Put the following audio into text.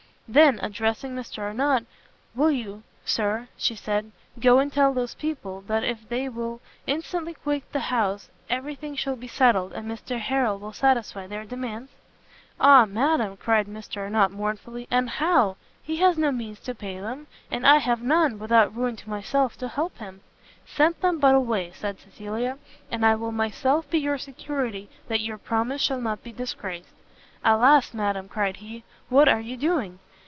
Then, addressing Mr Arnott, "Will you. Sir," she said, "go and tell those people that if they will instantly quit the house, every thing shall be settled, and Mr Harrel will satisfy their demands?" "Ah madam!" cried Mr Arnott, mournfully, "and how? he has no means to pay them, and I have none without ruin to myself, to help him!" "Send them but away," said Cecilia, "and I will myself be your security that your promise shall not be disgraced." "Alas, madam," cried he, "what are you doing?